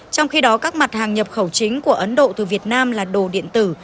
trong khi đó các mặt hàng nhập khẩu chính của ấn độ từ việt nam là đồ điện tử